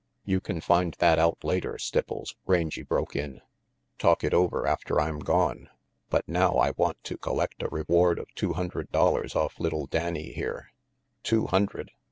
"You f can find that out later, Stipples," Rangy broke in. "Talk it over after I'm gone. But now I want to i collect a reward of two hundred dollars off little Danny here "Two hundred?"